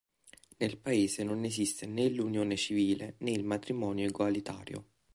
Nel paese non esiste ne l'unione civile ne il matrimonio egualitario.